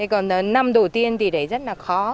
còn năm đầu tiên thì rất là khó